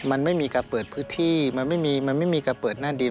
มันไม่มีกระเปิดพืชที่มันไม่มีกระเปิดหน้าดิน